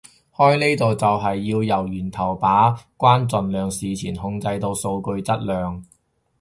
開呢度就係要由源頭把關盡量事前控制到數據質量